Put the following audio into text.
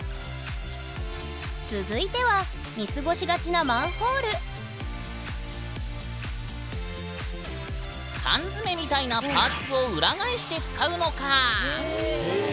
続いては見過ごしがちなマンホール缶詰みたいなパーツをへえなるほど。